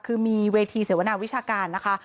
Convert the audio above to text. คือมีเวทีเสวนาวิชาการนะคะ